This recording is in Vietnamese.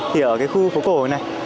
thì ở cái khu phố cổ này